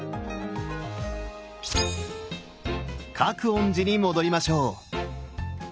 覚園寺に戻りましょう！